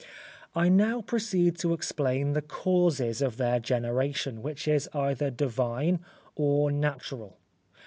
] I now proceed to explain the cause of their generation, which is either divine or natural.